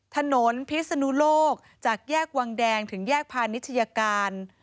ถนนพิศนุโลกจากแยกวังแดงถึงแยกพาณิชยการ